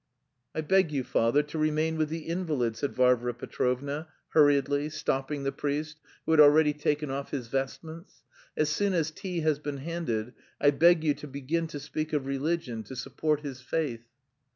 "I beg you, father, to remain with the invalid," said Varvara Petrovna hurriedly, stopping the priest, who had already taken off his vestments. "As soon as tea has been handed, I beg you to begin to speak of religion, to support his faith."